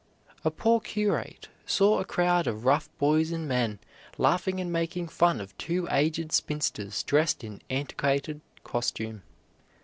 A poor curate saw a crowd of rough boys and men laughing and making fun of two aged spinsters dressed in antiquated costume.